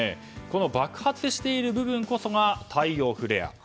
この爆発している部分こそが太陽フレア。